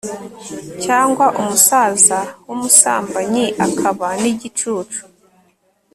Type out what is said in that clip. cyangwa umusaza w'umusambanyi akaba n'igicucu